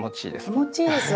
気持ちいいです。